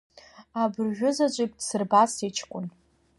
Абыржәызаҵәык дсырба сыҷкәын.